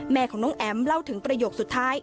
แม่ของน้องแอ๋มเล่าถึงประโยคสุดท้าย